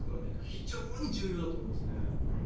非常に重要だと思いますね。